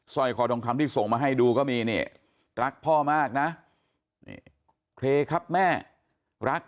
ร้อยคอทองคำที่ส่งมาให้ดูก็มีนี่รักพ่อมากนะนี่เครครับแม่รัก